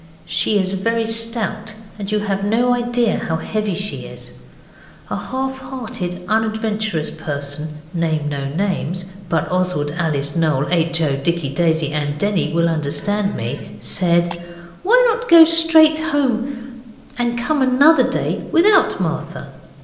She is very stout, and you have no idea how heavy she is. A half hearted unadventurous person (I name no names, but Oswald, Alice, Noel, H. O., Dicky, Daisy, and Denny will understand me) said, why not go straight home and come another day without Martha?